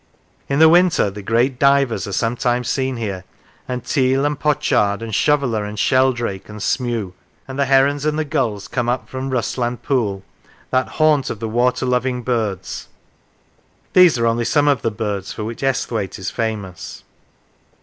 In the winter the great divers are sometimes seen here, and teal, and pochard, and shoveller, and sheldrake, and smew; and the herons and the gulls come up from Russland pool, that haunt of 146 The Lakes the water loving birds these are only some of the birds for which Esthwaite is famous.